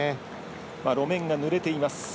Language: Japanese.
路面がぬれています。